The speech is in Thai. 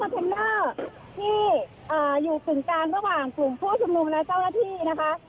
ที่อ่าอยู่ถึงก่านระหว่างกลุ่มผู้จุ้มนมและเจ้าหน้าที่นะคะ